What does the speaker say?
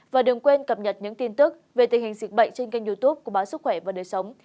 và đừng quên cập nhật những tin tức về tình hình dịch bệnh trên kênh youtube của báo sức khỏe và đời sống